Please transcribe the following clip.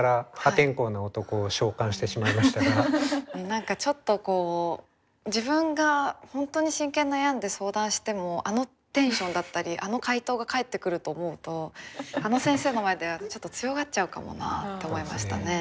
何かちょっとこう自分が本当に真剣に悩んで相談してもあのテンションだったりあの回答が返ってくると思うとあの先生の前ではちょっと強がっちゃうかもなあって思いましたね。